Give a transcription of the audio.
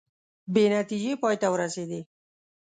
بې نتیجې پای ته ورسیدې